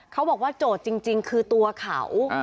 เขาบอกว่าโจทย์จริงคือตัวเขา